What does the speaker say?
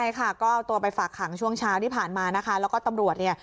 ใช่ค่ะก็เอาตัวไปฝากขังช่วงเช้าที่ผ่านมานะคะแล้วก็ตำรวจเนี่ย